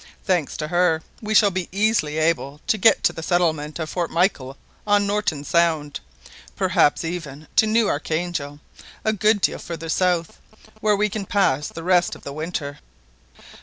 Thanks to her, we shall be easily able to get to the settlement of Fort Michael on Norton Sound, perhaps even to New Archangel, a good deal farther south, where we can pass the rest of the winter."